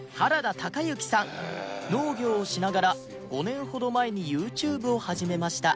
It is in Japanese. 農業をしながら５年ほど前に ＹｏｕＴｕｂｅ を始めました